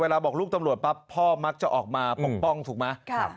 บอกลูกตำรวจปั๊บพ่อมักจะออกมาปกป้องถูกไหม